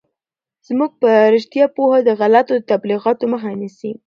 زموږ په رشتیا پوهه د غلطو تبلیغاتو مخه نیسي.